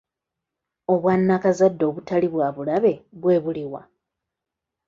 Obwannakazadde obutali bwa bulabe bwe buliwa?